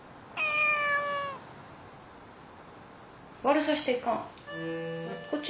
悪さしちゃいかん。